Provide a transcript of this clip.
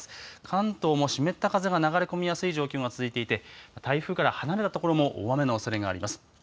関東も湿った風が流れ込みやすい状況が続いていて、台風から離れた所も大雨のおそれがあります。